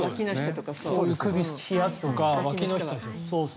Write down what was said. こういう首を冷やすとかわきの下とか。